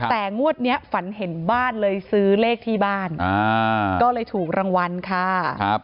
แต่งวดนี้ฝันเห็นบ้านเลยซื้อเลขที่บ้านก็เลยถูกรางวัลค่ะ